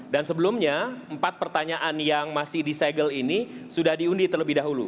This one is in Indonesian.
dan sebelumnya empat pertanyaan yang masih di segel ini sudah diundi terlebih dahulu